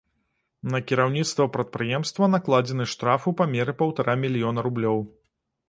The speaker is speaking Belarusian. На кіраўніцтва прадпрыемства накладзены штраф у памеры паўтара мільёна рублёў.